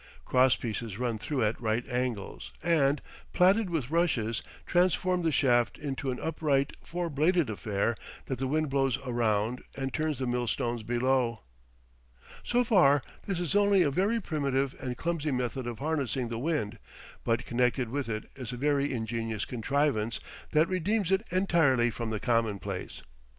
Cross pieces run through at right angles and, plaited with rushes, transform the shaft into an upright four bladed affair that the wind blows around and turns the millstones below. So far, this is only a very primitive and clumsy method of harnessing the wind; but connected with it is a very ingenious contrivance that redeems it entirely from the commonplace.